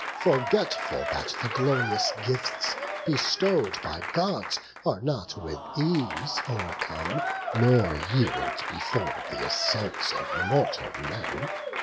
forgetful that the glorious gifts Bestow'd by Gods, are not with ease o'ercome, Nor yield before th' assaults of mortal men.